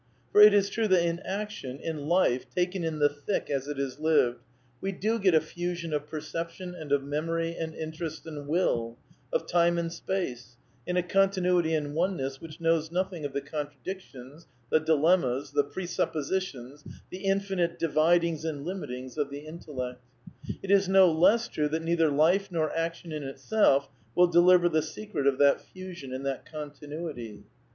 For it is true that in action, in life taken in the thick as it is lived, we do get a fusion of perception and of memory and interest and will, of time and space, in a continuity and oneness which knows nothing of the contradictions, the dilemmas, the pre suppositions, the infinite dividings and limitings of the intellect. It is no less true that neither Life nor action in itself will deliver the secret of that fusion and that continuity.